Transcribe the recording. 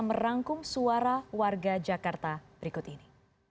merangkum suara warga jakarta berikut ini